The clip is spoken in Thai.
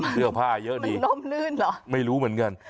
เชื่อผ้าเยอะดี